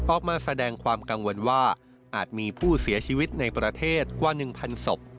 ออกมาแสดงความกังวลว่าอาจมีผู้เสียชีวิตในประเทศกว่า๑๐๐ศพ